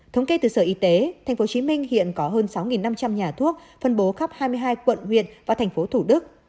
thống kê từ sở y tế tp hcm hiện có hơn sáu năm trăm linh nhà thuốc phân bố khắp hai mươi hai quận huyện và thành phố thủ đức